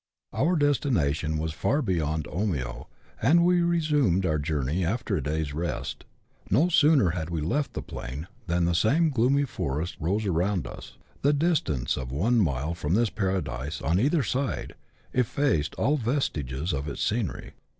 Our destination was far beyond Omio, and we resumed our journey after a day's rest. No sooner had we left the plain than the same gloomy forest rose around us. The distance of one mile from this paradise, on either side, effaced all vestiges of its scenery.